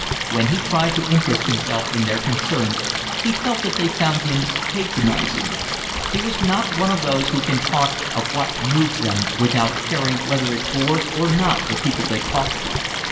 When he tried to interest himself in their concerns, he felt that they found him patronising. He was not of those who can talk of what moves them without caring whether it bores or not the people they talk to.